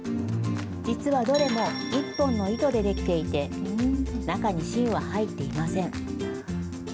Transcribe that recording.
実はどれも一本の糸で出来ていて、中に芯は入っていません。